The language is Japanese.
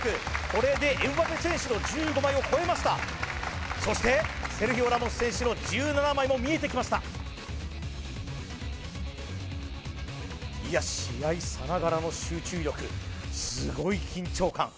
これでエムバペ選手の１５枚をこえましたそしてセルヒオ・ラモス選手の１７枚も見えてきましたいや試合さながらの集中力すごい緊張感